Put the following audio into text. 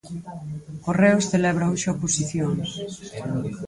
Correos celebra hoxe oposicións.